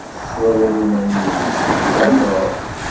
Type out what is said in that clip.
Tettwaliḍ iman-nnek tesseḍsayeḍ?